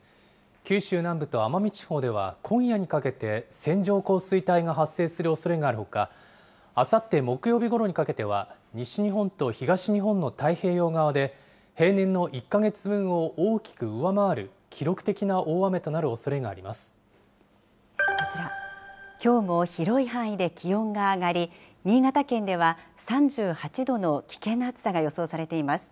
九州南部と奄美地方では、今夜にかけて、線状降水帯が発生するおそれがあるほか、あさって木曜日ごろにかけては、西日本と東日本の太平洋側で、平年の１か月分を大きく上回る記録的な大雨となるおそれがありまこちら、きょうも広い範囲で気温が上がり、新潟県では３８度の危険な暑さが予想されています。